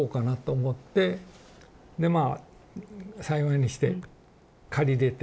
でまあ幸いにして借りれて。